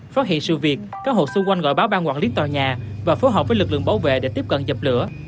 phát hiện sự việc các hộ xung quanh gọi báo ban quản lý tòa nhà và phối hợp với lực lượng bảo vệ để tiếp cận dập lửa